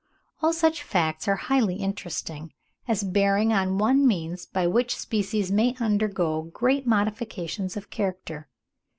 All such facts are highly interesting, as bearing on one means by which species may undergo great modifications of character.)